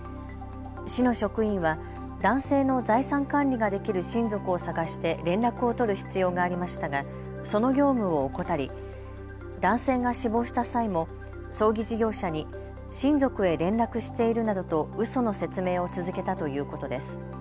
市の職員は男性の財産管理ができる親族を探して連絡を取る必要がありましたがその業務を怠り男性が死亡した際も葬儀事業者に親族へ連絡しているなどとうその説明を続けたということです。